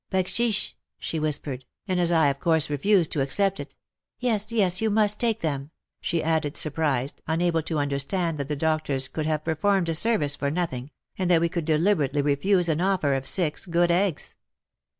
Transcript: Backsheesh," she whispered, and as I of course refused to accept it: "Yes, yes, you must take them," she added surprised, unable to understand that the doctors could have performed a service for nothing, and that we could deliberately refuse an offer of six good eggs